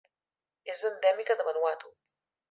És endèmica de Vanuatu.